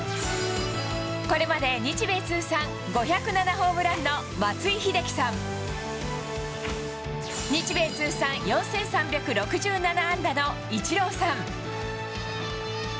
これまで日米通算５０７ホームランの松井秀喜さん、日米通算４３６７安打のイチローさん。